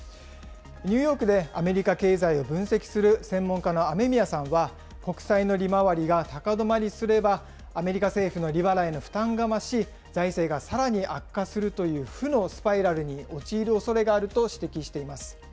ニューヨークでアメリカ経済を分析する専門家の雨宮さんは、国債の利回りが高止まりすれば、アメリカ政府の利払いの負担が増し、財政がさらに悪化するという負のスパイラルに陥るおそれがあると指摘しています。